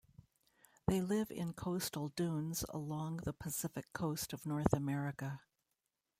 They live in coastal dunes along the Pacific Coast of North America.